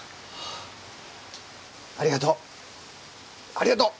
ありがとう！